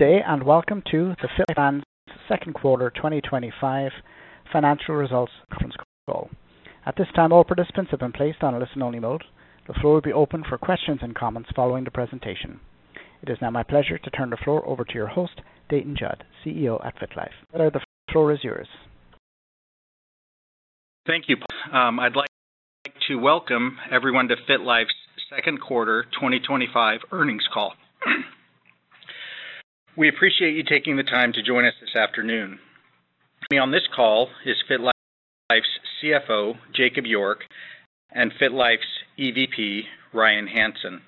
Today, and welcome to the FitLife Brands Second Quarter 2025 Financial Results Conference Call. At this time all participants have been placed on a listen-only mode. The floor will be open for questions and comments following the presentation. It is now my pleasure to turn the floor over to your host, Dayton Judd, CEO at FitLife. Sir, the floor is yours. Thank you. I'd like to welcome everyone to FitLife's Second Quarter 2025 Earnings Call. We appreciate you taking the time to join us this afternoon. With me on this call is FitLife's CFO, Jacob York, and FitLife's EVP, Ryan Hansen.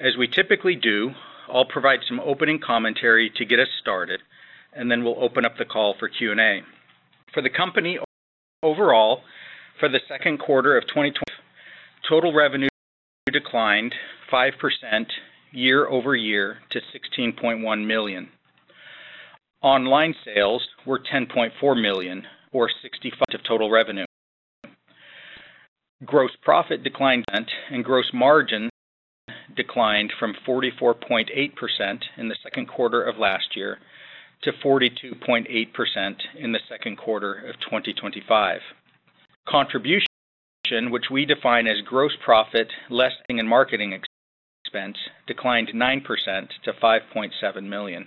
As we typically do, I'll provide some opening commentary to get us started, and then we'll open up the call for Q&A. For the company overall, for the second quarter of 2024, total revenue declined 5% year-over-year to $16.1 million. Online sales were $10.4 million, or 65% of total revenue. Gross profit declined and gross margin declined from 44.8% in the second quarter of last year to 42.8% in the second quarter of 2025. Contribution, which we define as gross profit less than marketing expense, declined 9% to $5.7 million.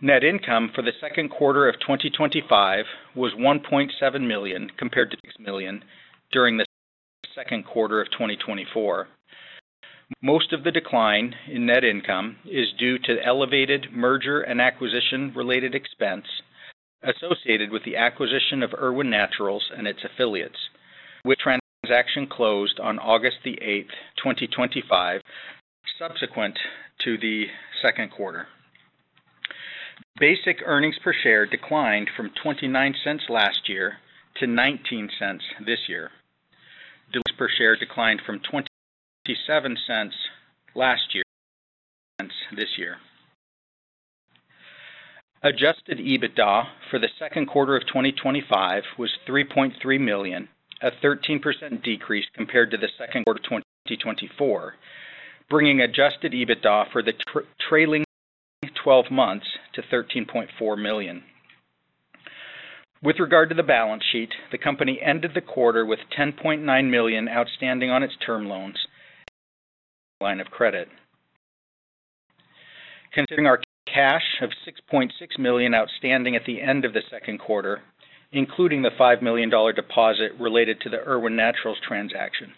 Net income for the second quarter of 2025 was $1.7 million compared to $6 million during the second quarter of 2024. Most of the decline in net income is due to elevated merger and acquisition-related expense associated with the acquisition of Irwin Naturals and its affiliates, with the transaction closed on August 8, 2025, subsequent to the second quarter. Basic earnings per share declined from $0.29 last year to $0.19 this year. Dual earnings per share declined from $0.27 last year this year. Adjusted EBITDA for the second quarter of 2025 was $3.3 million, a 13% decrease compared to the second quarter of 2024, bringing adjusted EBITDA for the trailing 12 months to $13.4 million. With regard to the balance sheet, the company ended the quarter with $10.9 million outstanding on its term loans [and] line of credit. Considering our cash of $6.6 million outstanding at the end of the second quarter, including the $5 million deposit related to the Irwin Naturals transaction,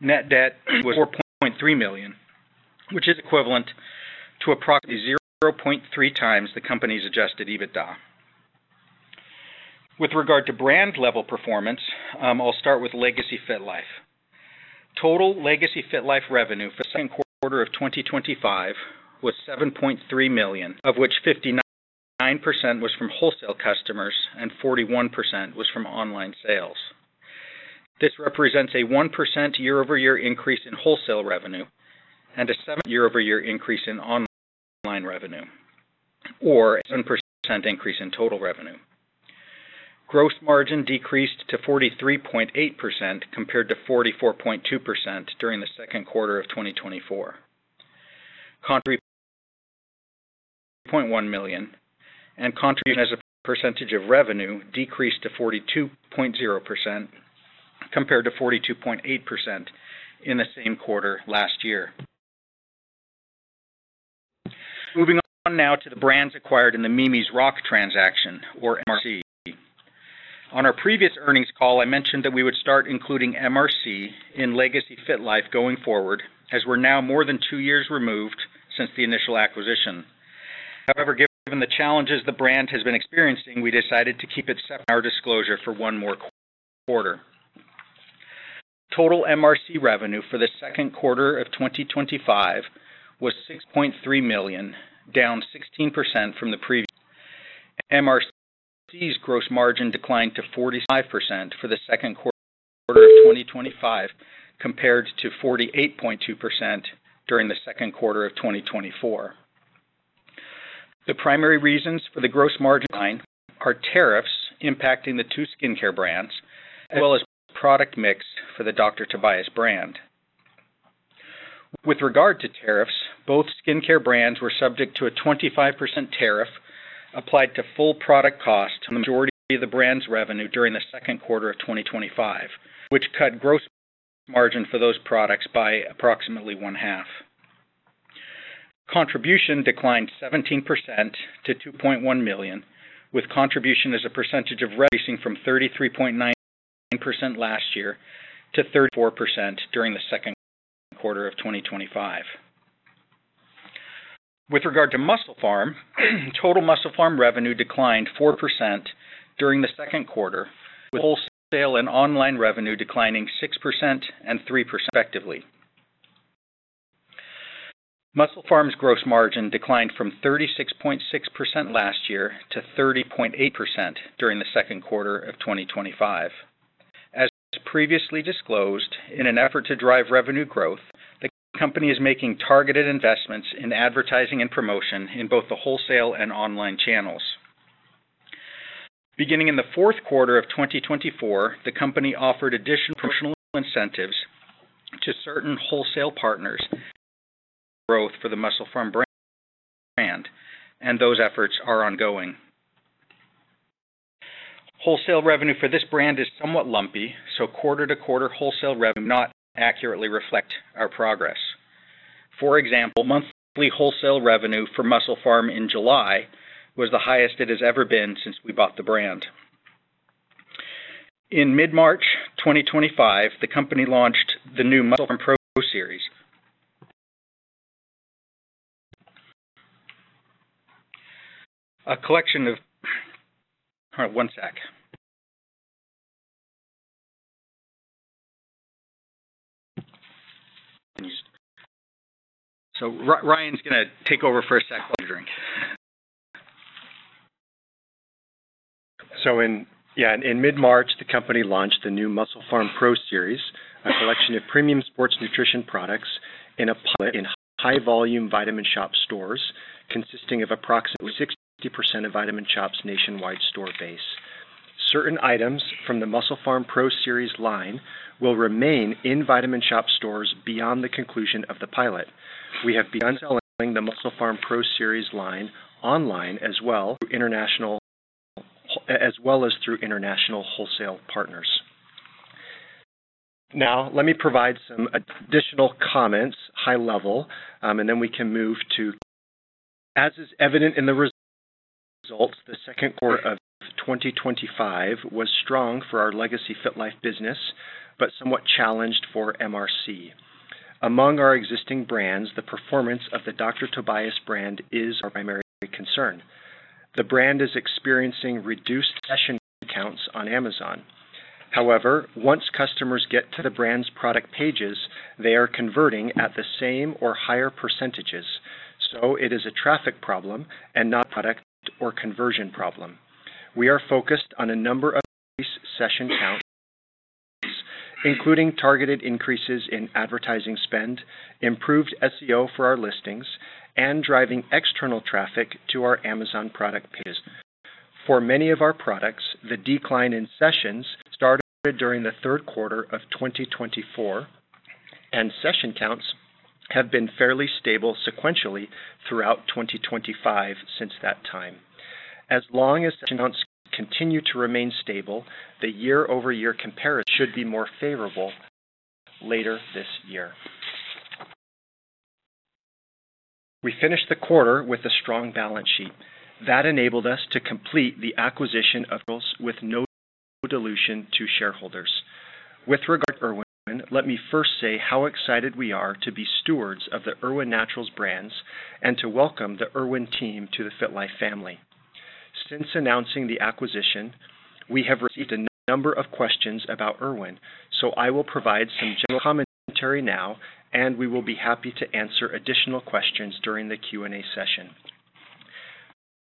net debt was $4.3 million, which is equivalent to approximately 0.3x the company's adjusted EBITDA. With regard to brand-level performance, I'll start with Legacy FitLife. Total Legacy FitLife revenue for the second quarter of 2025 was $7.3 million, of which 59% was from wholesale customers and 41% was from online sales. This represents a 1% year-over-year increase in wholesale revenue and a 7% year-over-year increase in online revenue, or a 7% increase in total revenue. Gross margin decreased to 43.8% compared to 44.2% during the second quarter of 2024. Contribution as a percentage of revenue decreased to 42.0% compared to 42.8% in the same quarter last year. Moving on now to the brands acquired in the Mimi's Rock transaction, or MRC. On our previous earnings call, I mentioned that we would start including MRC in Legacy FitLife going forward, as we're now more than two years removed since the initial acquisition. However, given the challenges the brand has been experiencing, we decided to keep it separate from our disclosure for one more quarter. Total MRC revenue for the second quarter of 2025 was $6.3 million, down 16% from the previous quarter. MRC's gross margin declined to 45% for the second quarter of 2025, compared to 48.2% during the second quarter of 2024. The primary reasons for the gross margin decline are tariffs impacting the two skincare brands, as well as product mix for the Dr. Tobias brand. With regard to tariffs, both skincare brands were subject to a 25% tariff applied to full product cost on the majority of the brand's revenue during the second quarter of 2025, which cut gross margin for those products by approximately one half. Contribution declined 17% to $2.1 million, with contribution as a percentage of revenue decreasing from 33.9% last year to 34% during the second quarter of 2025. With regard to MusclePharm, total MusclePharm revenue declined 4% during the second quarter, with wholesale and online revenue declining 6% and 3% respectively. MusclePharm's gross margin declined from 36.6% last year to 30.8% during the second quarter of 2025. As previously disclosed, in an effort to drive revenue growth, the company is making targeted investments in advertising and promotion in both the wholesale and online channels. Beginning in the fourth quarter of 2024, the company offered additional promotional incentives to certain wholesale partners [growth] for the MusclePharm brand, and those efforts are ongoing. Wholesale revenue for this brand is somewhat lumpy, so quarter-to-quarter wholesale revenue does not accurately reflect our progress. For example, monthly wholesale revenue for MusclePharm in July was the highest it has ever been since we bought the brand. In mid-March 2025, the company launched the new MusclePharm Pro Series, a collection of... All right, one sec. Ryan's going to take over for a sec [while you] drink. In mid-March, the company launched the new MusclePharm Pro Series, a collection of premium sports nutrition products in high-volume Vitamin Shoppe stores consisting of approximately 60% of Vitamin Shoppe's nationwide store base. Certain items from the MusclePharm Pro Series line will remain in Vitamin Shoppe stores beyond the conclusion of the pilot. We have begun selling the MusclePharm Pro Series line online as well, as well as through international wholesale partners. Now, let me provide some additional comments, high level, and then we can move to... As is evident in the results, the second quarter of 2025 was strong for our legacy FitLife business, but somewhat challenged for MRC. Among our existing brands, the performance of the Dr. Tobias brand is our primary concern. The brand is experiencing reduced session counts on Amazon. However, once customers get to the brand's product pages, they are converting at the same or higher percentages. It is a traffic problem and not a product or conversion problem. We are focused on a number of session counts, including targeted increases in advertising spend, improved SEO for our listings, and driving external traffic to our Amazon product pages. For many of our products, the decline in sessions started during the third quarter of 2024, and session counts have been fairly stable sequentially throughout 2025 since that time. As long as session counts continue to remain stable, the year-over-year comparison should be more favorable later this year. We finished the quarter with a strong balance sheet. That enabled us to complete the acquisition of Irwin Naturals with no dilution to shareholders. With regard to Irwin, let me first say how excited we are to be stewards of the Irwin Naturals brands and to welcome the Irwin team to the FitLife family. Since announcing the acquisition, we have received a number of questions about Irwin, so I will provide some general commentary now, and we will be happy to answer additional questions during the Q&A session.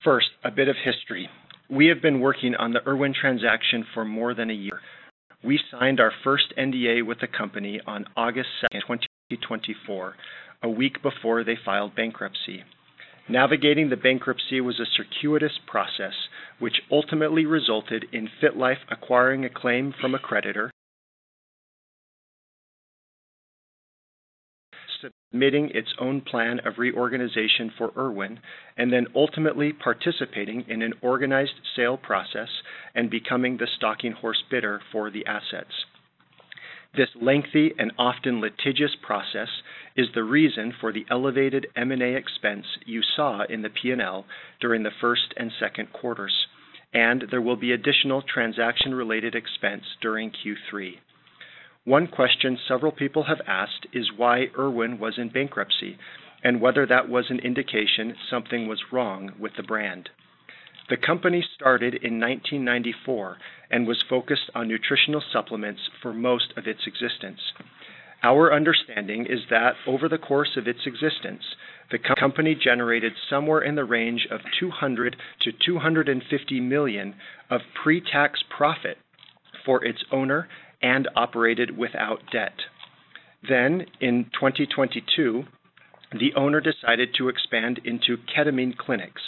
First, a bit of history. We have been working on the Irwin transaction for more than a year. We signed our first NDA with the company on August [2nd], 2024, a week before they filed bankruptcy. Navigating the bankruptcy was a circuitous process, which ultimately resulted in FitLife Brands acquiring a claim from a creditor, submitting its own plan of reorganization for Irwin, and then ultimately participating in an organized sale process and becoming the stalking horse bidder for the assets. This lengthy and often litigious process is the reason for the elevated merger and acquisition expenses you saw in the P&L during the first and second quarters, and there will be additional transaction-related expense during Q3. One question several people have asked is why Irwin was in bankruptcy and whether that was an indication something was wrong with the brand. The company started in 1994 and was focused on nutritional supplements for most of its existence. Our understanding is that over the course of its existence, the company generated somewhere in the range of $200 million-$250 million of pre-tax profit for its owner and operated without debt. In 2022, the owner decided to expand into ketamine clinics,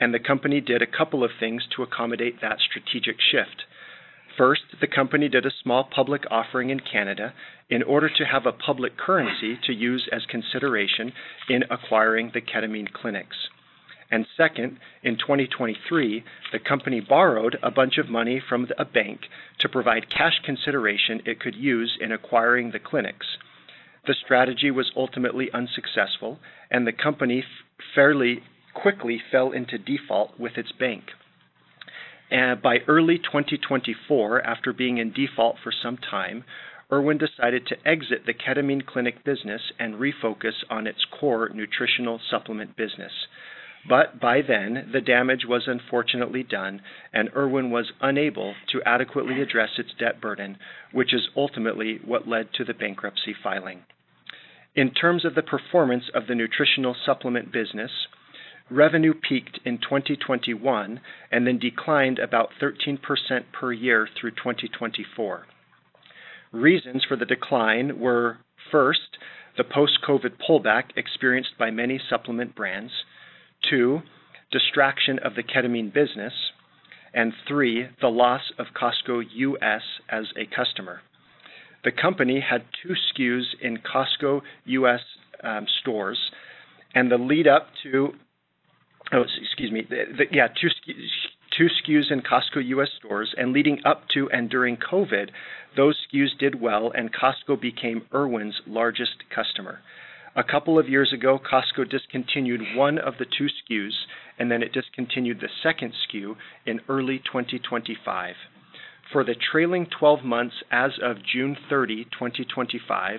and the company did a couple of things to accommodate that strategic shift. First, the company did a small public offering in Canada in order to have a public currency to use as consideration in acquiring the ketamine clinics. Second, in 2023, the company borrowed a bunch of money from a bank to provide cash consideration it could use in acquiring the clinics. The strategy was ultimately unsuccessful, and the company fairly quickly fell into default with its bank. By early 2024, after being in default for some time, Irwin decided to exit the ketamine clinic business and refocus on its core nutritional supplement business. By then, the damage was unfortunately done, and Irwin was unable to adequately address its debt burden, which is ultimately what led to the bankruptcy filing. In terms of the performance of the nutritional supplement business, revenue peaked in 2021 and then declined about 13% per year through 2024. Reasons for the decline were, first, the post-COVID pullback experienced by many supplement brands, two, the distraction of the ketamine business, and three, the loss of Costco U.S. as a customer. The company had two SKUs in Costco U.S. stores and leading up to and during COVID, those SKUs did well and Costco became Irwin Naturals' largest customer. A couple of years ago, Costco discontinued one of the two SKUs and then it discontinued the second SKU in early 2025. For the trailing 12 months as of June 30, 2025,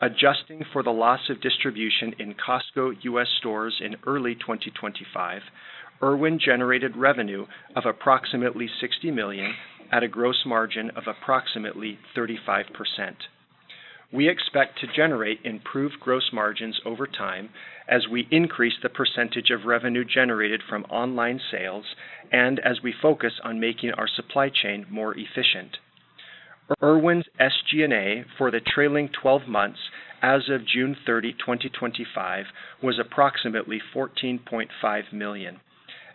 adjusting for the loss of distribution in Costco US stores in early 2025, Irwin generated revenue of approximately $60 million at a gross margin of approximately 35%. We expect to generate improved gross margins over time as we increase the percentage of revenue generated from online sales and as we focus on making our supply chain more efficient. Irwin Naturals' SG&A for the trailing 12 months as of June 30, 2025, was approximately $14.5 million.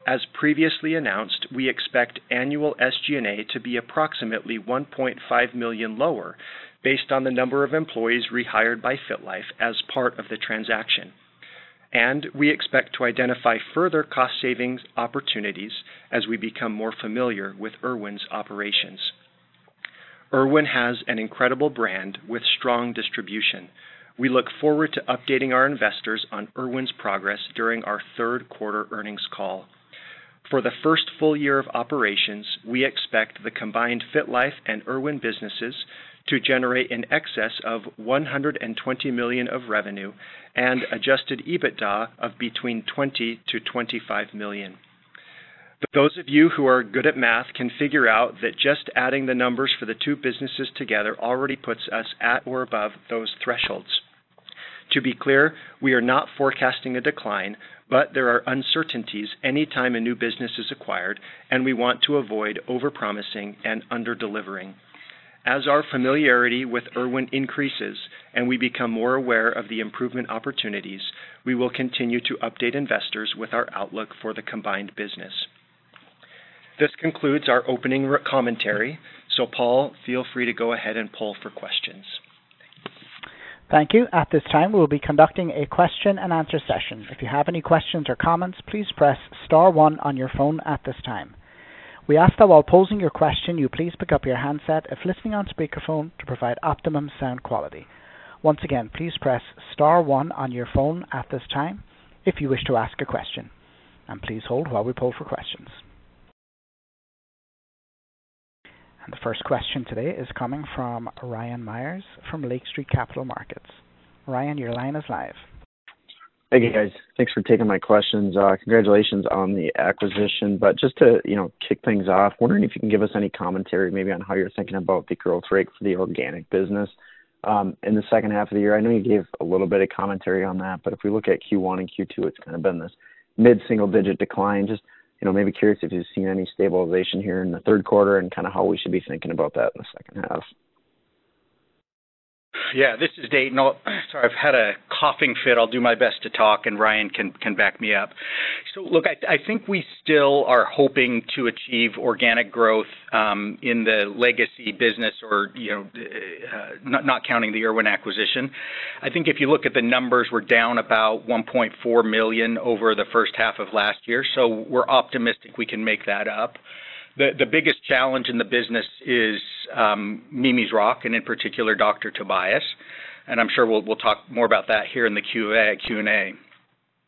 As previously announced, we expect annual SG&A to be approximately $1.5 million lower based on the number of employees rehired by FitLife Brands as part of the transaction. We expect to identify further cost-saving opportunities as we become more familiar with Irwin's operations. Irwin Naturals has an incredible brand with strong distribution. We look forward to updating our investors on Irwin's progress during our third quarter earnings call. For the first full year of operations, we expect the combined FitLife and Irwin businesses to generate in excess of $120 million of revenue and adjusted EBITDA of between $20 million-$25 million. Those of you who are good at math can figure out that just adding the numbers for the two businesses together already puts us at or above those thresholds. To be clear, we are not forecasting a decline, but there are uncertainties anytime a new business is acquired, and we want to avoid overpromising and under-delivering. As our familiarity with Irwin Naturals increases and we become more aware of the improvement opportunities, we will continue to update investors with our outlook for the combined business. This concludes our opening commentary. Paul, feel free to go ahead and pull for questions. Thank you. At this time, we will be conducting a question-and-answer session. If you have any questions or comments, please press star one on your phone at this time. We ask that while posing your question, you please pick up your handset if listening on speakerphone to provide optimum sound quality. Once again, please press star one on your phone at this time if you wish to ask a question. Please hold while we pull for questions. The first question today is coming from Ryan Meyers from Lake Street Capital Markets. Ryan, your line is live. Thank you, guys. Thanks for taking my questions. Congratulations on the acquisition. Just to kick things off, wondering if you can give us any commentary maybe on how you're thinking about the growth rate for the organic business in the second half of the year. I know you gave a little bit of commentary on that, but if we look at Q1 and Q2, it's kind of been this mid-single-digit decline. Just maybe curious if you've seen any stabilization here in the third quarter and kind of how we should be thinking about that in the second half. Yeah, this is Dayton. Sorry, I've had a coughing fit. I'll do my best to talk and Ryan can back me up. I think we still are hoping to achieve organic growth in the legacy business, not counting the Irwin acquisition. I think if you look at the numbers, we're down about $1.4 million over the first half of last year. We're optimistic we can make that up. The biggest challenge in the business is Mimi's Rock, and in particular, Dr. Tobias. I'm sure we'll talk more about that here in the Q&A.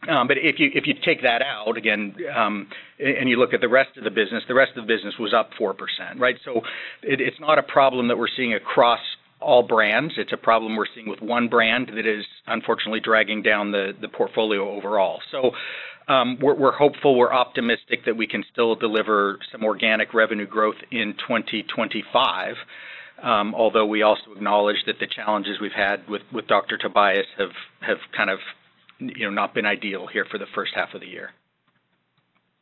If you take that out again and you look at the rest of the business, the rest of the business was up 4%, right? It's not a problem that we're seeing across all brands. It's a problem we're seeing with one brand that is unfortunately dragging down the portfolio overall. We're hopeful, we're optimistic that we can still deliver some organic revenue growth in 2025, although we also acknowledge that the challenges we've had with Dr. Tobias have kind of not been ideal here for the first half of the year.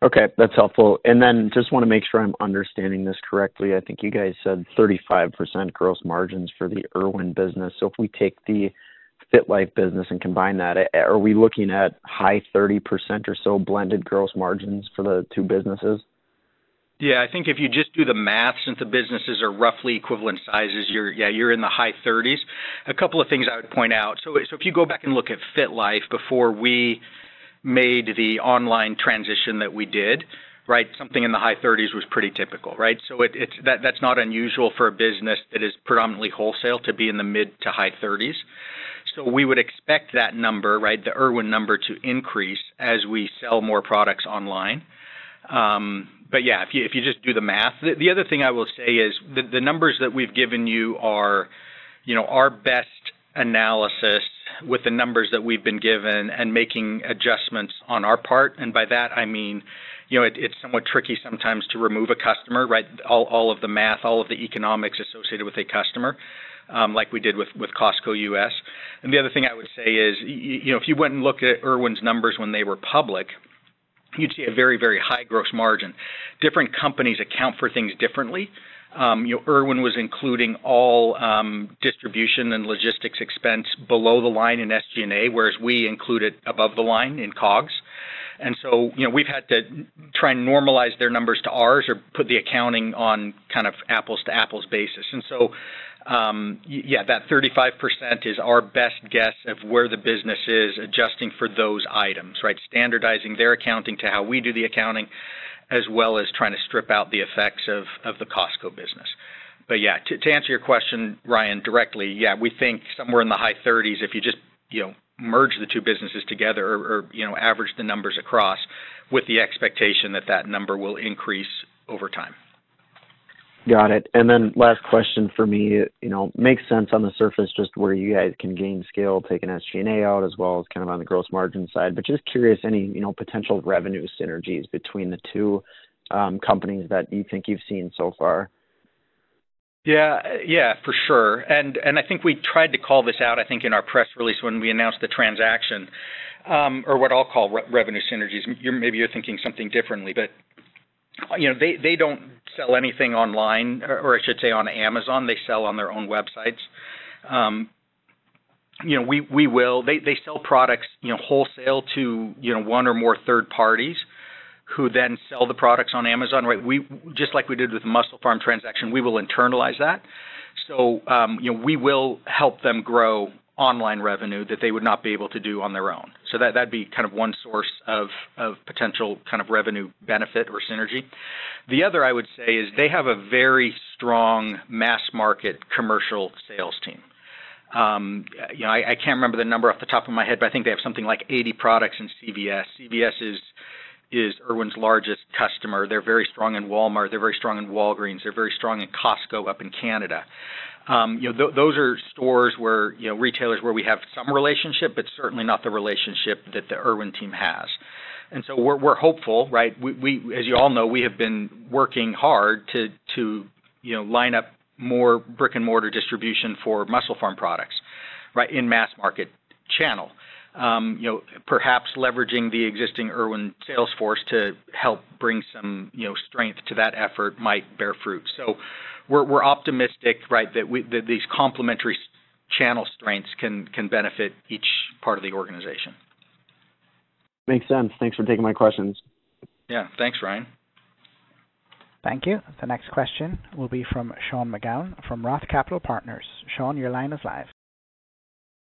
Okay, that's helpful. I just want to make sure I'm understanding this correctly. I think you guys said 35% gross margins for the Irwin business. If we take the FitLife business and combine that, are we looking at high 30% or so blended gross margins for the two businesses? Yeah, I think if you just do the math, since the businesses are roughly equivalent sizes, you're in the high 30s. A couple of things I would point out. If you go back and look at FitLife before we made the online transition that we did, something in the high 30s was pretty typical, right? That's not unusual for a business that is predominantly wholesale to be in the mid to high 30s. We would expect that number, the Irwin number, to increase as we sell more products online. If you just do the math. The other thing I will say is the numbers that we've given you are our best analysis with the numbers that we've been given and making adjustments on our part. By that, I mean it's somewhat tricky sometimes to remove a customer, all of the math, all of the economics associated with a customer, like we did with Costco U.S. The other thing I would say is, if you went and looked at Irwin's numbers when they were public, you'd see a very, very high gross margin. Different companies account for things differently. Irwin was including all distribution and logistics expense below the line in SG&A, whereas we included it above the line in COGS. We've had to try and normalize their numbers to ours or put the accounting on kind of an apples-to-apples basis. That 35% is our best guess of where the business is adjusting for those items, standardizing their accounting to how we do the accounting, as well as trying to strip out the effects of the Costco business. To answer your question, Ryan, directly, we think somewhere in the high 30s if you just merge the two businesses together or average the numbers across with the expectation that that number will increase over time. Got it. Last question for me, it makes sense on the surface just where you guys can gain scale, take SG&A out as well as on the gross margin side. Just curious, any potential revenue synergies between the two companies that you think you've seen so far? Yeah, for sure. I think we tried to call this out in our press release when we announced the transaction, or what I'll call revenue synergies. Maybe you're thinking something differently, but you know, they don't sell anything online, or I should say on Amazon. They sell on their own websites. We will, they sell products wholesale to one or more third parties who then sell the products on Amazon, right? Just like we did with the MusclePharm transaction, we will internalize that. We will help them grow online revenue that they would not be able to do on their own. That'd be kind of one source of potential revenue benefit or synergy. The other I would say is they have a very strong mass market commercial sales team. I can't remember the number off the top of my head, but I think they have something like 80 products in CVS. CVS is Irwin's largest customer. They're very strong in Walmart. They're very strong in Walgreens. They're very strong in Costco up in Canada. Those are retailers where we have some relationship, but certainly not the relationship that the Irwin team has. We're hopeful, right? As you all know, we have been working hard to line up more brick-and-mortar distribution for MusclePharm products in the mass market channel. Perhaps leveraging the existing Irwin Naturals sales force to help bring some strength to that effort might bear fruit. We're optimistic that these complementary channel strengths can benefit each part of the organization. Makes sense. Thanks for taking my questions. Yeah, thanks, Ryan. Thank you. The next question will be from Sean McGowan from Roth Capital Partners. Sean, your line is live.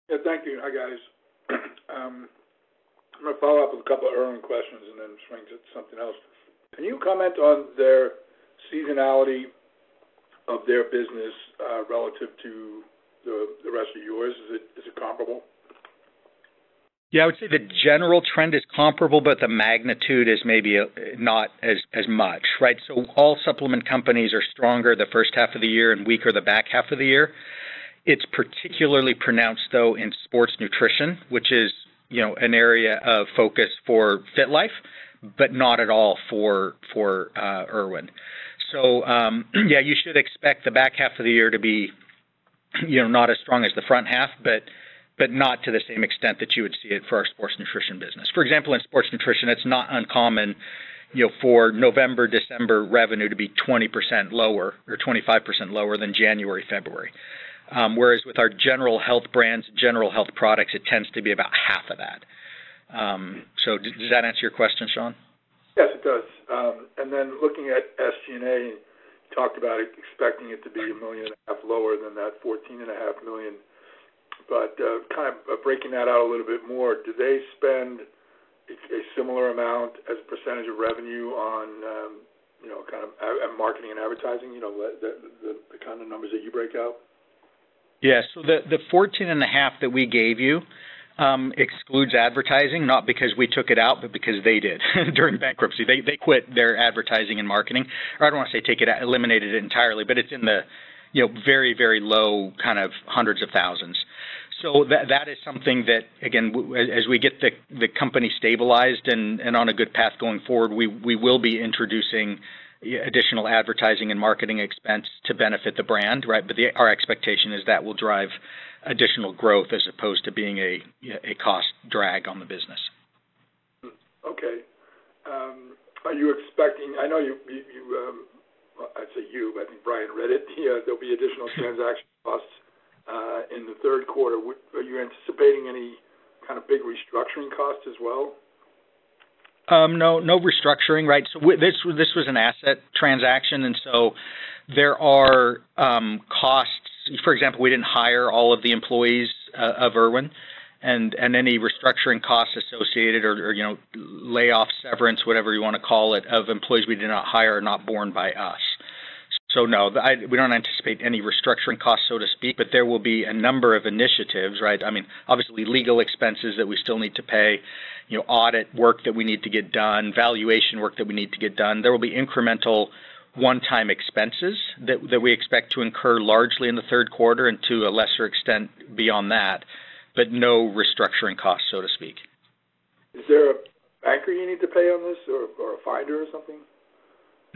Yeah, thank you. Hi guys. I'm going to follow up with a couple of Irwin questions and then swing to something else. Can you comment on their seasonality of their business relative to the rest of yours? Is it comparable? Yeah, I would say the general trend is comparable, but the magnitude is maybe not as much, right? All supplement companies are stronger the first half of the year and weaker the back half of the year. It's particularly pronounced though in sports nutrition, which is, you know, an area of focus for FitLife, but not at all for Irwin. You should expect the back half of the year to be, you know, not as strong as the front half, but not to the same extent that you would see it for our sports nutrition business. For example, in sports nutrition, it's not uncommon for November, December revenue to be 20% lower or 25% lower than January, February. Whereas with our general health brands, general health products, it tends to be about half of that. Does that answer your question, Sean? Yes, it does. Looking at SG&A, you talked about expecting it to be $1.5 million lower than that $14.5 million. Kind of breaking that out a little bit more, do they spend a similar amount as a percentage of revenue on, you know, kind of marketing and advertising? You know, the kind of numbers that you break out? Yeah, so the $14.5 million that we gave you excludes advertising, not because we took it out, but because they did during bankruptcy. They quit their advertising and marketing. I don't want to say eliminated it entirely, but it's in the very, very low kind of hundreds of thousands. That is something that, again, as we get the company stabilized and on a good path going forward, we will be introducing additional advertising and marketing expense to benefit the brand, right? Our expectation is that will drive additional growth as opposed to being a cost drag on the business. Okay. Are you expecting, I know you, I think Ryan read it, there'll be additional transaction costs in the third quarter. Are you anticipating any kind of big restructuring costs as well? No restructuring, right? This was an asset transaction, and there are costs. For example, we didn't hire all of the employees of Irwin, and any restructuring costs associated, or layoff severance, whatever you want to call it, of employees we did not hire are not borne by us. We don't anticipate any restructuring costs, so to speak, but there will be a number of initiatives, right? Obviously, legal expenses that we still need to pay, audit work that we need to get done, valuation work that we need to get done. There will be incremental one-time expenses that we expect to incur largely in the third quarter and to a lesser extent beyond that, but no restructuring costs, so to speak. Is there a banker you need to pay on this, or a finder or something?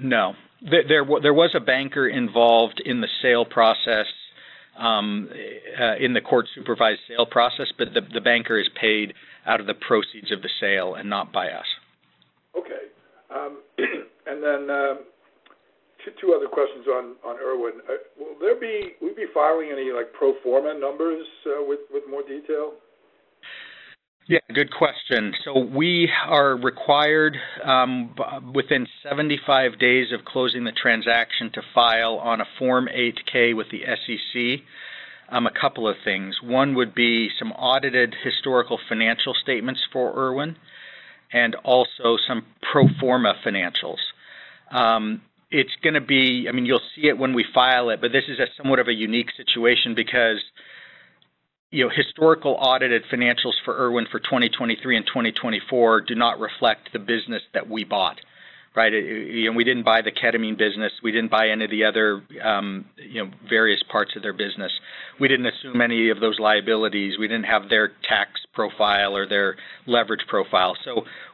No. There was a banker involved in the sale process, in the court-supervised sale process, but the banker is paid out of the proceeds of the sale and not by us. Will you be filing any pro forma numbers with more detail? Yeah, good question. We are required within 75 days of closing the transaction to file on a Form 8-K with the SEC a couple of things. One would be some audited historical financial statements for Irwin and also some pro forma financials. You will see it when we file it, but this is somewhat of a unique situation because historical audited financials for Irwin for 2023 and 2024 do not reflect the business that we bought, right? We didn't buy the ketamine business. We didn't buy any of the other various parts of their business. We didn't assume any of those liabilities. We didn't have their tax profile or their leverage profile.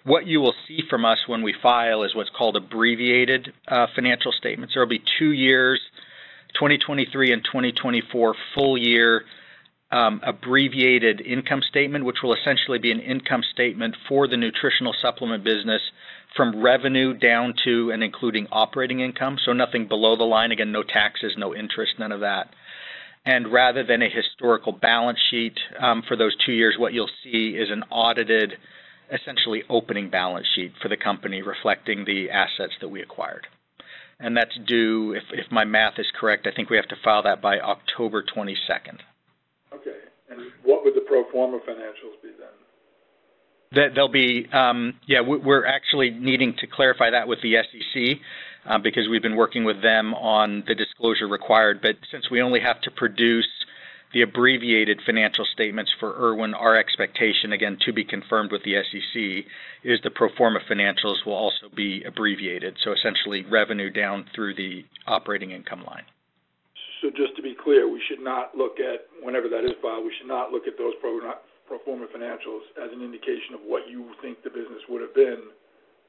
What you will see from us when we file is what's called abbreviated financial statements. There will be two years, 2023 and 2024, full-year abbreviated income statement, which will essentially be an income statement for the nutritional supplement business from revenue down to and including operating income. Nothing below the line. No taxes, no interest, none of that. Rather than a historical balance sheet for those two years, what you'll see is an audited, essentially opening balance sheet for the company reflecting the assets that we acquired. That's due, if my math is correct, I think we have to file that by October 22. Okay, what would the pro forma financials be then? Yeah, we're actually needing to clarify that with the SEC because we've been working with them on the disclosure required. Since we only have to produce the abbreviated financial statements for Irwin, our expectation, again, to be confirmed with the SEC, is the pro forma financials will also be abbreviated. Essentially, revenue down through the operating income line. Just to be clear, we should not look at whenever that is filed, we should not look at those pro forma financials as an indication of what you think the business would have been,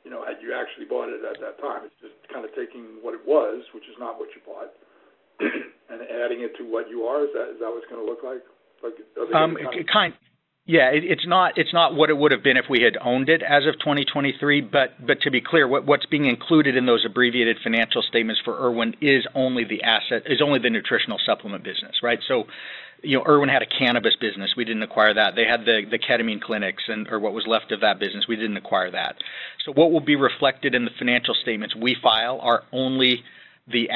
you know, had you actually bought it at that time. It's just kind of taking what it was, which is not what you bought, and adding it to what you are. Is that what it's going to look like? Yeah, it's not what it would have been if we had owned it as of 2023. To be clear, what's being included in those abbreviated financial statements for Irwin is only the asset, is only the nutritional supplement business, right? Irwin had a cannabis business. We didn't acquire that. They had the ketamine clinics or what was left of that business. We didn't acquire that. What will be reflected in the financial statements we file are only the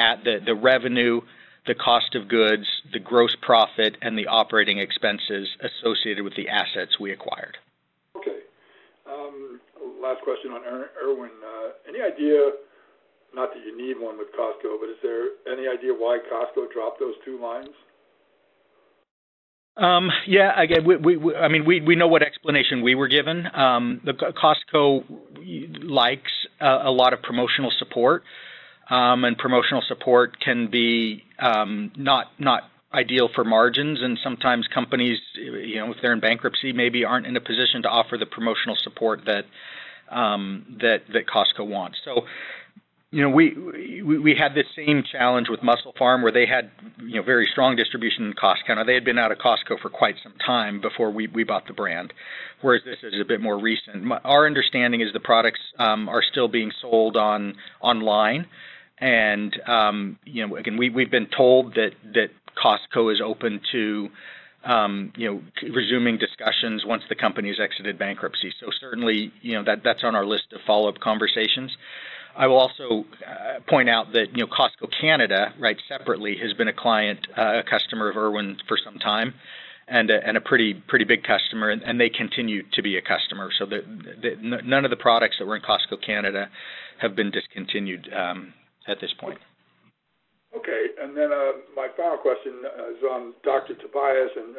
revenue, the cost of goods, the gross profit, and the operating expenses associated with the assets we acquired. Okay. Last question on Irwin. Any idea, not that you need one with Costco, but is there any idea why Costco dropped those two lines? Yeah, again, I mean, we know what explanation we were given. Costco likes a lot of promotional support, and promotional support can be not ideal for margins. Sometimes companies, you know, if they're in bankruptcy, maybe aren't in a position to offer the promotional support that Costco wants. We had the same challenge with MusclePharm where they had very strong distribution in Costco. They had been out of Costco for quite some time before we bought the brand, whereas this is a bit more recent. Our understanding is the products are still being sold online. We've been told that Costco is open to resuming discussions once the company has exited bankruptcy. Certainly, that's on our list of follow-up conversations. I will also point out that Costco Canada, separately, has been a customer of Irwin for some time, and a pretty big customer. They continue to be a customer. None of the products that were in Costco Canada have been discontinued at this point. Okay. My final question is on Dr. Tobias and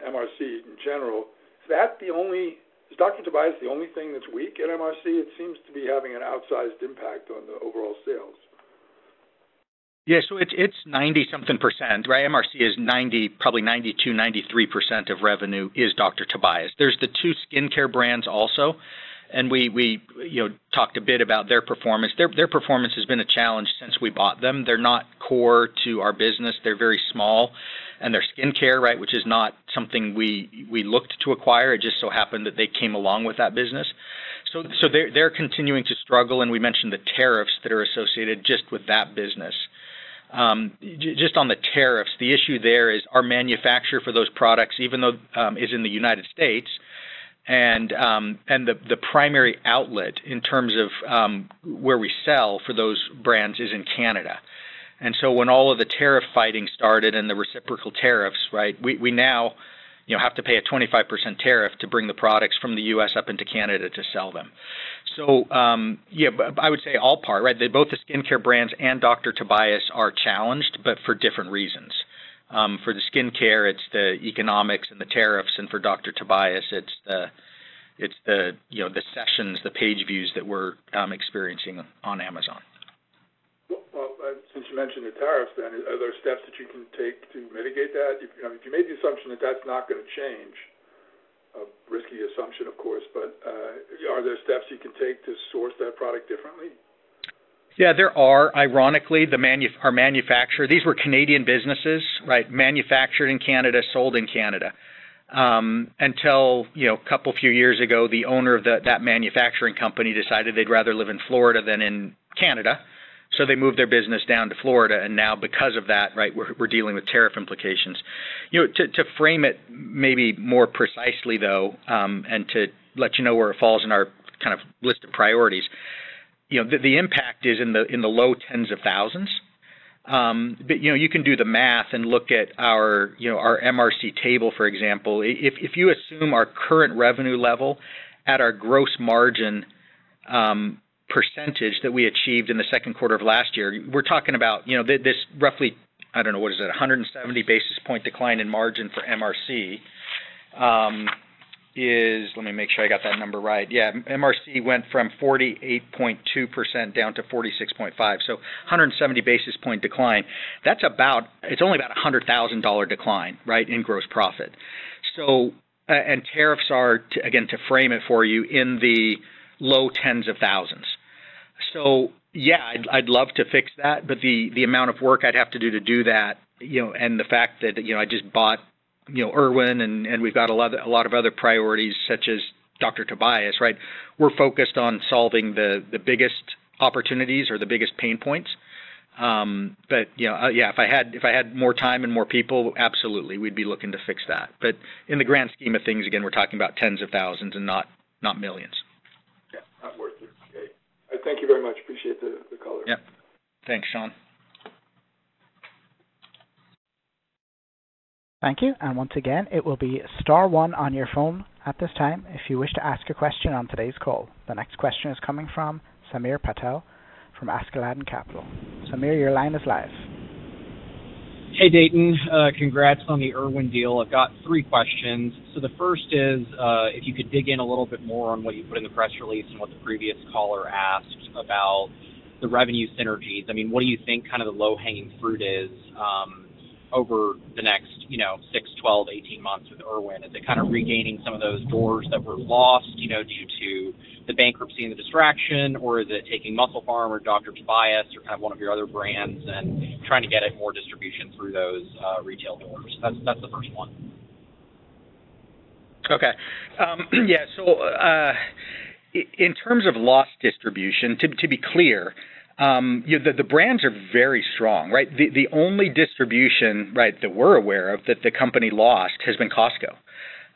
MRC in general. Is Dr. Tobias the only thing that's weak at MRC? It seems to be having an outsized impact on the overall sales. Yeah, so it's 90-something percent, right? MRC is probably 92%, 93% of revenue is Dr. Tobias. There's the two skincare brands also. We talked a bit about their performance. Their performance has been a challenge since we bought them. They're not core to our business. They're very small. Their skincare, right, which is not something we looked to acquire. It just so happened that they came along with that business. They're continuing to struggle. We mentioned the tariffs that are associated just with that business. Just on the tariffs, the issue there is our manufacturer for those products, even though it's in the United States, and the primary outlet in terms of where we sell for those brands is in Canada. When all of the tariff fighting started and the reciprocal tariffs, right, we now have to pay a 25% tariff to bring the products from the U.S. up into Canada to sell them. I would say all part, right, that both the skincare brands and Dr. Tobias are challenged, but for different reasons. For the skincare, it's the economics and the tariffs. For Dr. Tobias, it's the sessions, the page views that we're experiencing on Amazon. Since you mentioned the tariffs, are there steps that you can take to mitigate that? If you made the assumption that that's not going to change, a risky assumption, of course, are there steps you can take to source that product differently? Yeah, there are. Ironically, our manufacturer, these were Canadian businesses, right, manufactured in Canada, sold in Canada. Until, you know, a couple of few years ago, the owner of that manufacturing company decided they'd rather live in Florida than in Canada. They moved their business down to Florida. Now, because of that, we're dealing with tariff implications. To frame it maybe more precisely, though, and to let you know where it falls in our kind of list of priorities, the impact is in the low tens of thousands. You can do the math and look at our, you know, our MRC table, for example. If you assume our current revenue level at our gross margin percentage that we achieved in the second quarter of last year, we're talking about this roughly, I don't know, what is it, 170 basis point decline in margin for MRC is, let me make sure I got that number right. Yeah, MRC went from 48.2% down to 46.5%. So 170 basis point decline. That's about, it's only about a $100,000 decline in gross profit. Tariffs are, again, to frame it for you, in the low tens of thousands. I'd love to fix that, but the amount of work I'd have to do to do that, and the fact that I just bought Irwin, and we've got a lot of other priorities, such as Dr. Tobias, we're focused on solving the biggest opportunities or the biggest pain points. If I had more time and more people, absolutely, we'd be looking to fix that. In the grand scheme of things, again, we're talking about tens of thousands and not millions. Yeah, that works. Okay, thank you very much. Appreciate it. Yeah, thanks, Sean. Thank you. Once again, it will be star one on your phone at this time if you wish to ask a question on today's call. The next question is coming from Samir Patel from Askeladden Capital. Samir, your line is live. Hey, Dayton. Congrats on the Irwin deal. I've got three questions. The first is, if you could dig in a little bit more on what you put in the press release and what the previous caller asked about the revenue synergies, what do you think kind of the low-hanging fruit is over the next 6, 12, 18 months with Irwin? Is it kind of regaining some of those doors that were lost due to the bankruptcy and the distraction, or is it taking MusclePharm or Dr. Tobias or one of your other brands and trying to get more distribution through those retail doors? That's the first one. Okay. Yeah. In terms of lost distribution, to be clear, the brands are very strong, right? The only distribution that we're aware of that the company lost has been Costco.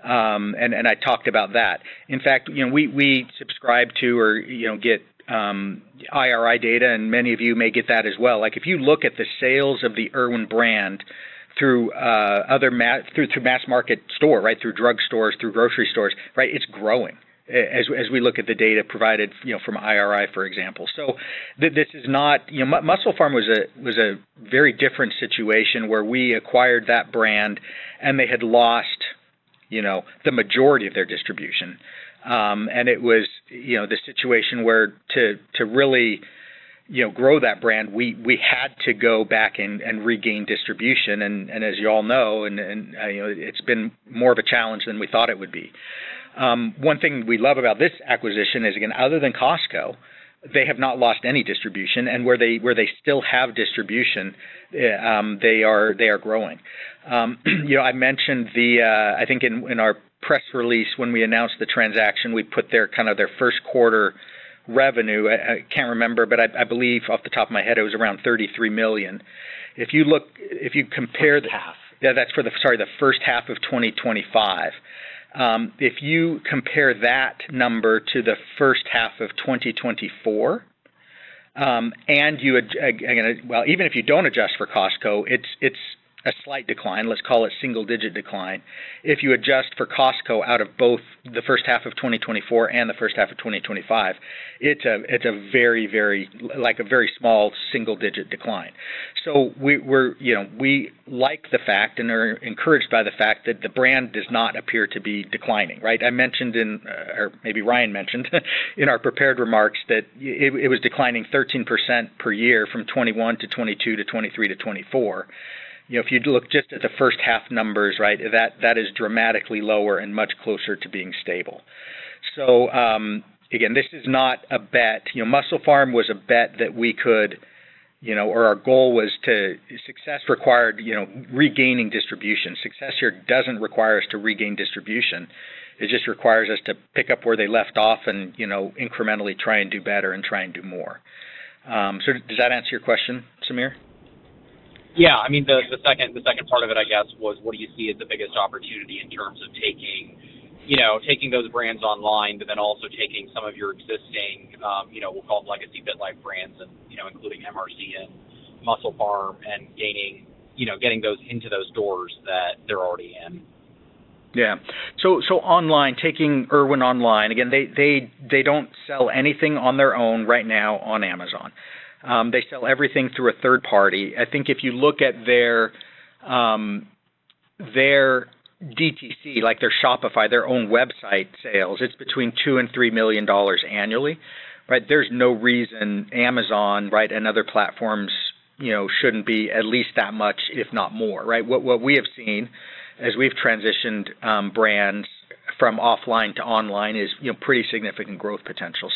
I talked about that. In fact, we subscribe to or get IRI data, and many of you may get that as well. If you look at the sales of the Irwin brand through other mass market stores, through drug stores, through grocery stores, it's growing as we look at the data provided from IRI, for example. This is not, you know, MusclePharm was a very different situation where we acquired that brand and they had lost the majority of their distribution. It was the situation where to really grow that brand, we had to go back and regain distribution. As you all know, it's been more of a challenge than we thought it would be. One thing we love about this acquisition is, again, other than Costco, they have not lost any distribution. Where they still have distribution, they are growing. I mentioned, I think in our press release when we announced the transaction, we put their first quarter revenue. I can't remember, but I believe off the top of my head, it was around $33 million. If you compare the first half of 2025, if you compare that number to the first half of 2024, even if you don't adjust for Costco, it's a slight decline. Let's call it single-digit decline. If you adjust for Costco out of both the first half of 2024 and the first half of 2025, it's a very small single-digit decline. We like the fact and are encouraged by the fact that the brand does not appear to be declining. I mentioned in, or maybe Ryan mentioned in our prepared remarks, that it was declining 13% per year from 2021 to 2022 to 2023 to 2024. If you look just at the first half numbers, that is dramatically lower and much closer to being stable. This is not a bet. MusclePharm was a bet that we could, or our goal was to, success required regaining distribution. Success here doesn't require us to regain distribution. It just requires us to pick up where they left off and incrementally try and do better and try and do more. Does that answer your question, Samir? Yeah, I mean, the second part of it was what do you see as the biggest opportunity in terms of taking those brands online, but then also taking some of your existing, you know, we'll call it Legacy FitLife Brands, including MRC and MusclePharm, and getting those into those doors that they're already in. Yeah. Online, taking Irwin online, again, they do not sell anything on their own right now on Amazon. They sell everything through a third party. I think if you look at their DTC, like their Shopify, their own website sales, it's between $2 million and $3 million annually, right? There's no reason Amazon, right, and other platforms, shouldn't be at least that much, if not more, right? What we have seen as we've transitioned brands from offline to online is pretty significant growth potential.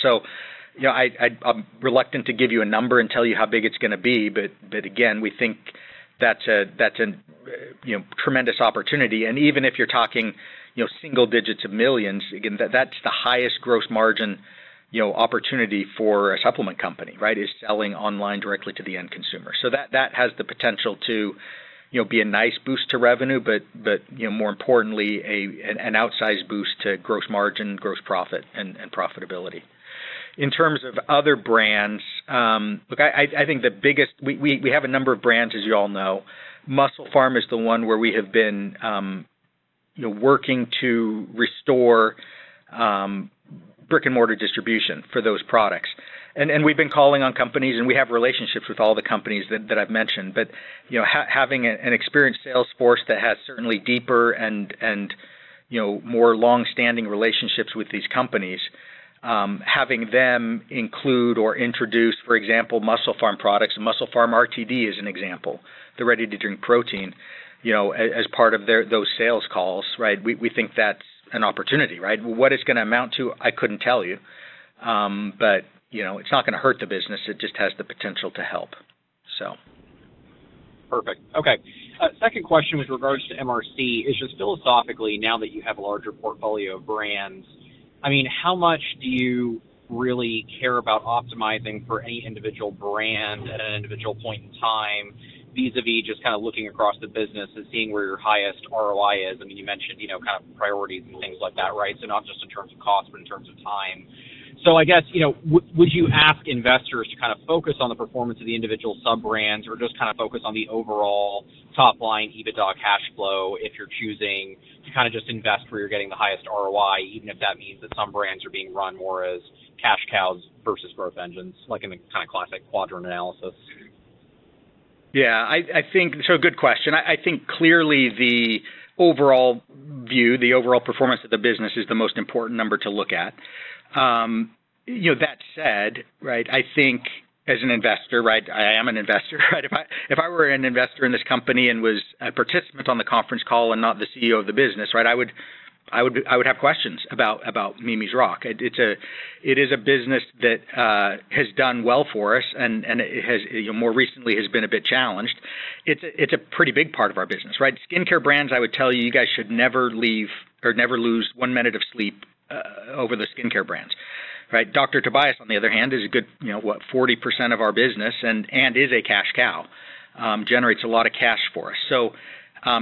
I'm reluctant to give you a number and tell you how big it's going to be, but again, we think that's a tremendous opportunity. Even if you're talking single digits of millions, that's the highest gross margin opportunity for a supplement company, right, is selling online directly to the end consumer. That has the potential to be a nice boost to revenue, but more importantly, an outsized boost to gross margin, gross profit, and profitability. In terms of other brands, I think the biggest, we have a number of brands, as you all know. MusclePharm is the one where we have been working to restore brick-and-mortar distribution for those products. We've been calling on companies, and we have relationships with all the companies that I've mentioned. Having an experienced sales force that has certainly deeper and more longstanding relationships with these companies, having them include or introduce, for example, MusclePharm products, and MusclePharm RTD is an example, the ready-to-drink protein, as part of those sales calls, right? We think that's an opportunity. What it's going to amount to, I couldn't tell you. It's not going to hurt the business. It just has the potential to help. Perfect. Okay. Second question with regards to MRC is just philosophically, now that you have a larger portfolio of brands, how much do you really care about optimizing for any individual brand at an individual point in time, vis-à-vis just kind of looking across the business and seeing where your highest ROI is? You mentioned priorities and things like that, right? Not just in terms of cost, but in terms of time. I guess, would you ask investors to focus on the performance of the individual sub-brands or just focus on the overall top-line EBITDA cash flow if you're choosing to just invest where you're getting the highest ROI, even if that means that some brands are being run more as cash cows versus growth engines, like in the classic quadrant analysis? Yeah, I think, good question. I think clearly the overall view, the overall performance of the business is the most important number to look at. That said, I think as an investor, I am an investor, right? If I were an investor in this company and was a participant on the conference call and not the CEO of the business, I would have questions about Mimi's Rock. It is a business that has done well for us, and it has more recently been a bit challenged. It's a pretty big part of our business. Skincare brands, I would tell you, you guys should never leave or never lose one minute of sleep over the skincare brands. Dr. Tobias, on the other hand, is a good, you know, what, 40% of our business and is a cash cow, generates a lot of cash for us.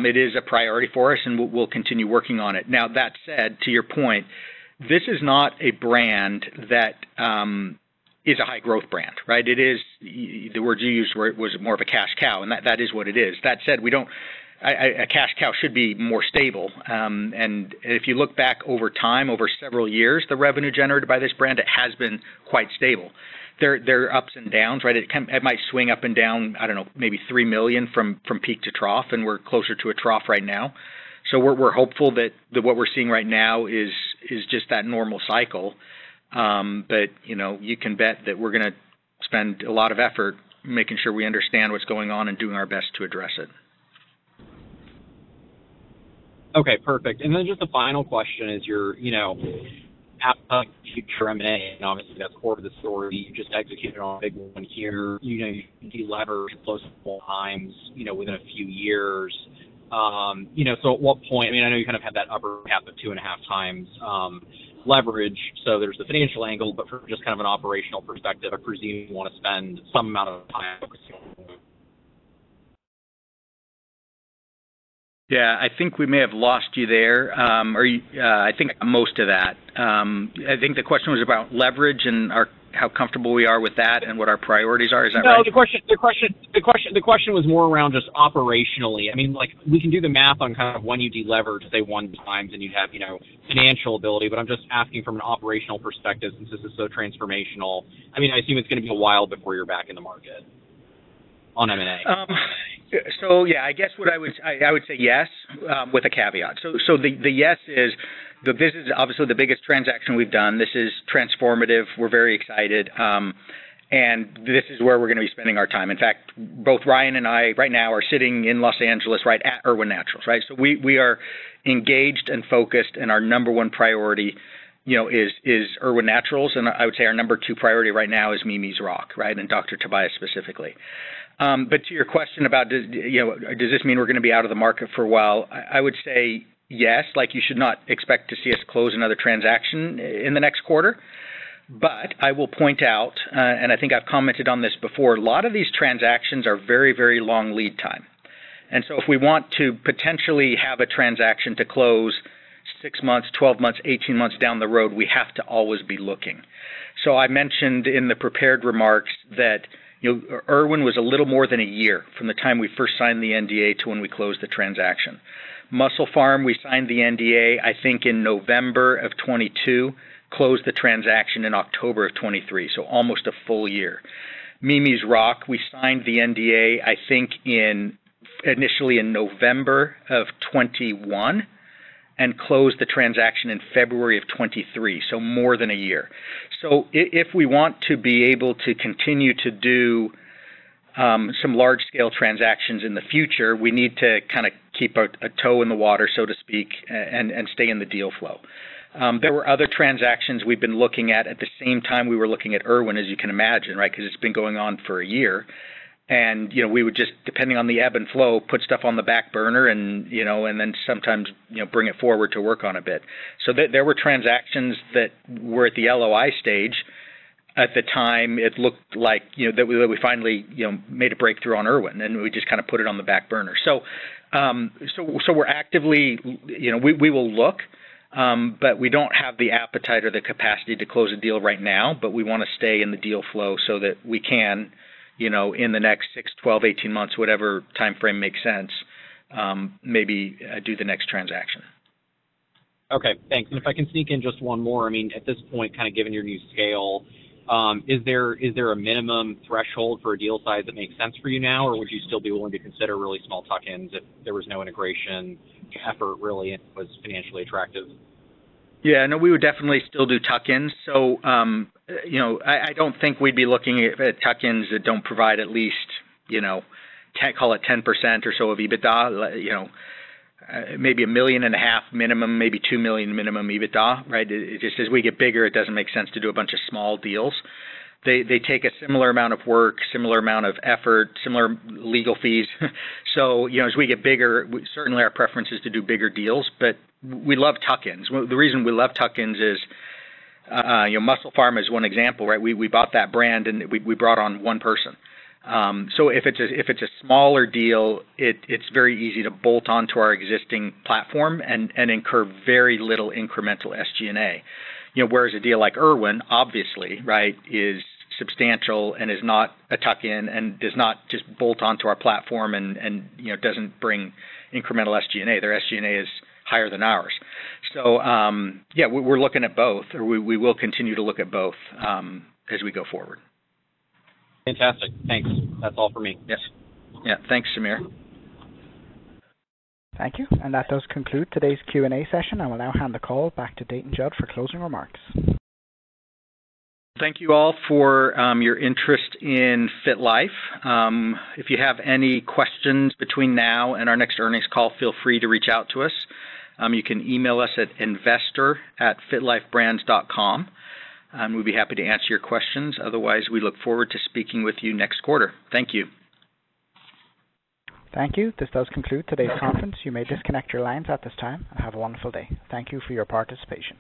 It is a priority for us, and we'll continue working on it. Now, that said, to your point, this is not a brand that is a high-growth brand. The words you used, was it more of a cash cow? That is what it is. That said, we don't, a cash cow should be more stable. If you look back over time, over several years, the revenue generated by this brand has been quite stable. There are ups and downs. It might swing up and down, I don't know, maybe $3 million from peak to trough, and we're closer to a trough right now. We're hopeful that what we're seeing right now is just that normal cycle. You can bet that we're going to spend a lot of effort making sure we understand what's going on and doing our best to address it. Okay, perfect. Just the final question is your, you know, at the future imminent, and obviously that's part of the story, you just executed on a big one tier, you know, you can do leverage close to 4x, you know, within a few years. At what point, I mean, I know you kind of have that upper half of 2.5x leverage. There's the financial angle, but for just kind of an operational perspective, I presume you want to spend some amount of time focusing. I think the question was about leverage and how comfortable we are with that and what our priorities are. Is that right? The question was more around just operationally. I mean, like we can do the math on kind of when you do leverage, let's say one time, and you'd have, you know, financial ability. I'm just asking from an operational perspective since this is so transformational. I mean, I assume it's going to be a while before you're back in the market on M&A. Yes, with a caveat. The yes is, this is obviously the biggest transaction we've done. This is transformative. We're very excited. This is where we're going to be spending our time. In fact, both Ryan and I right now are sitting in Los Angeles, at Irwin Naturals, right? We are engaged and focused, and our number one priority is Irwin Naturals. I would say our number two priority right now is Mimi's Rock, and Dr. Tobias specifically. To your question about, does this mean we're going to be out of the market for a while? I would say yes. You should not expect to see us close another transaction in the next quarter. I will point out, and I think I've commented on this before, a lot of these transactions are very, very long lead time. If we want to potentially have a transaction to close 6 months, 12 months, 18 months down the road, we have to always be looking. I mentioned in the prepared remarks that Irwin was a little more than a year from the time we first signed the NDA to when we closed the transaction. MusclePharm, we signed the NDA, I think, in November of 2022, closed the transaction in October of 2023, so almost a full year. Mimi's Rock, we signed the NDA, I think, initially in November of 2021, and closed the transaction in February of 2023, so more than a year. If we want to be able to continue to do some large-scale transactions in the future, we need to kind of keep a toe in the water, so to speak, and stay in the deal flow. There were other transactions we've been looking at at the same time we were looking at Irwin, as you can imagine, because it's been going on for a year. We would just, depending on the ebb and flow, put stuff on the back burner and then sometimes bring it forward to work on a bit. There were transactions that were at the LOI stage at the time it looked like we finally made a breakthrough on Irwin. We just kind of put it on the back burner. We are actively, we will look, but we don't have the appetite or the capacity to close a deal right now, but we want to stay in the deal flow so that we can, in the next 6, 12, 18 months, whatever timeframe makes sense, maybe do the next transaction. Okay, thanks. If I can sneak in just one more, at this point, given your new scale, is there a minimum threshold for a deal size that makes sense for you now, or would you still be willing to consider really small tuck-ins if there was no integration effort really and it was financially attractive? Yeah, no, we would definitely still do tuck-ins. I don't think we'd be looking at tuck-ins that don't provide at least, I call it 10% or so of EBITDA, maybe $1.5 million minimum, maybe $2 million minimum EBITDA, right? As we get bigger, it doesn't make sense to do a bunch of small deals. They take a similar amount of work, similar amount of effort, similar legal fees. As we get bigger, certainly our preference is to do bigger deals, but we love tuck-ins. The reason we love tuck-ins is, MusclePharm is one example, right? We bought that brand and we brought on one person. If it's a smaller deal, it's very easy to bolt onto our existing platform and incur very little incremental SG&A. Whereas a deal like Irwin, obviously, is substantial and is not a tuck-in and does not just bolt onto our platform and doesn't bring incremental SG&A. Their SG&A is higher than ours. We're looking at both, or we will continue to look at both as we go forward. Fantastic. Thanks. That's all for me. Yes, thanks, Samir. Thank you. That does conclude today's Q&A session. I will now hand the call back to Dayton Judd for closing remarks. Thank you all for your interest in FitLife. If you have any questions between now and our next earnings call, feel free to reach out to us. You can email us at investor@fitlifebrands.com, and we'd be happy to answer your questions. Otherwise, we look forward to speaking with you next quarter. Thank you. Thank you. This does conclude today's conference. You may disconnect your lines at this time. Have a wonderful day. Thank you for your participation.